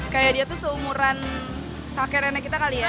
kayak dia tuh seumuran pake renek kita kali ya